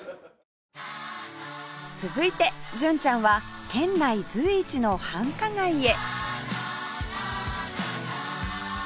続いて純ちゃんは県内随一の繁華街へ